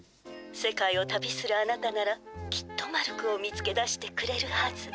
世界を旅するあなたならきっとマルクを見つけ出してくれるはず」。